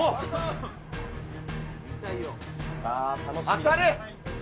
当たれ！